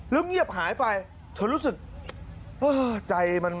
แล้วเงียบหายไปฉันรู้สึกใจมัน